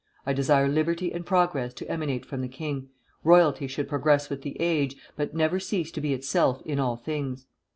I desire liberty and progress to emanate from the king. Royalty should progress with the age, but never cease to be itself in all things.'